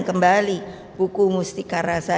kembali buku mustika rasa